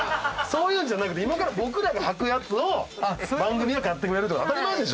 そういうんじゃなくて今から僕らが履くやつを番組が買ってくれると当たり前でしょ！